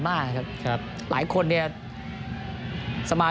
ส่วนที่สุดท้ายส่วนที่สุดท้าย